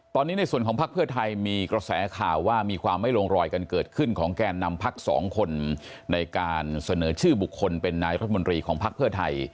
ตอนนี้ในส่วนของพักเพื่อไทยมีกระแสข่าวว่ามีความไม่ลงรอยกันเกิดขึ้นของแกนนำพักสองคนในการเสนอชื่อบุคคลเป็นนายรัฐมนตรีของพักเพื่อไทย